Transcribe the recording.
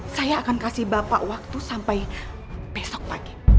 saya akan kasih bapak waktu sampai besok pagi